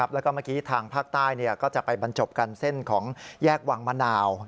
แล้วก็เมื่อกี้ทางภาคใต้ก็จะไปบรรจบกันเส้นของแยกวังมะนาว